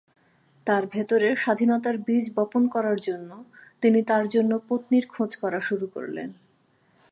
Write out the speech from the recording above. তার ভেতরে স্বাধীনতার বীজ বপন করার জন্য, তিনি তার জন্য পত্নীর খোঁজ করা শুরু করলেন।